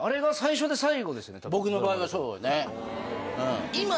僕の場合はそうね。